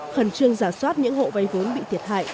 khẩn trương giả soát những hộ vay vốn bị thiệt hại